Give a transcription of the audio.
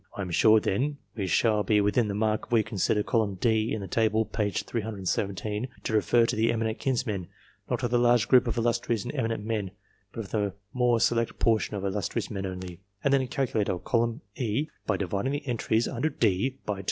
I am sure, then, we shall be within the mark if we consider column D in the table, p. 308, to refer to the eminent kinsmen, not of the large group of illustrious and eminent men, but of the more select portion of illustrious men only, and then calculate our column E by dividing the entries under D by 2.